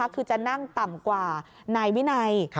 คือจะนั่งต่ำกว่านายวินัย